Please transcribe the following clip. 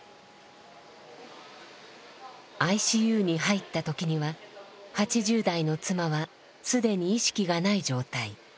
ＩＣＵに入ったときには８０代の妻はすでに意識がない状態。